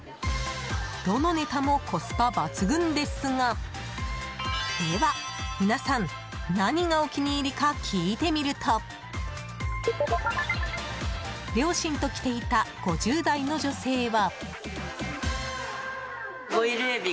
どのネタもコスパ抜群ですがでは皆さん、何がお気に入りか聞いてみると両親と来ていた５０代の女性は。